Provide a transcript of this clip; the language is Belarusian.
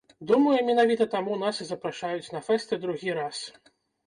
Думаю, менавіта таму нас і запрашаюць на фэсты другі раз.